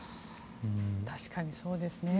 確かにそうですよね。